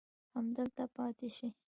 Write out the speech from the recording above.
همدلته پاتې سئ.